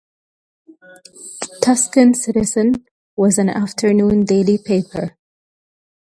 "Tucson Citizen": was an afternoon daily paper.